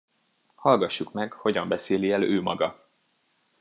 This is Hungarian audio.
Hallgassuk meg, hogyan beszéli el ő maga.